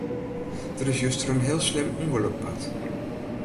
Der is juster in heel slim ûngelok bard.